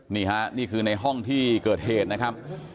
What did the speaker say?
นี่ฮะนี่คือในห้องที่เกิดเหตุนะครับ